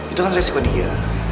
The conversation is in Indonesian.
itu kan resiko dia